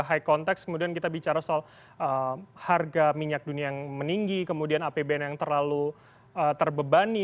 high context kemudian kita bicara soal harga minyak dunia yang meninggi kemudian apbn yang terlalu terbebani